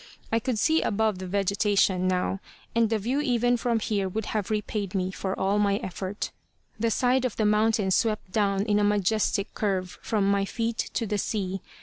I could see above the vegetation, now, and the view even from here would have repaid me for all my effort. The side of the mountain swept down in a majestic curve from my feet to the sea.